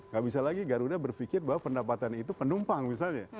gak bisa lagi garuda berpikir bahwa pendapatan itu penumpang misalnya